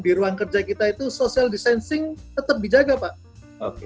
di ruang kerja kita itu social distancing tetap dijaga pak